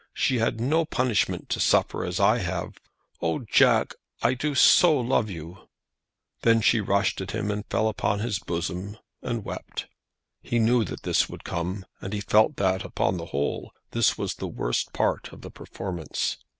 She had no punishment to suffer as I have. Oh, Jack! I do so love you." Then she rushed at him, and fell upon his bosom, and wept. He knew that this would come, and he felt that, upon the whole, this was the worst part of the performance.